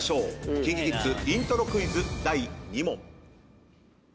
ＫｉｎＫｉＫｉｄｓイントロクイズ第２問。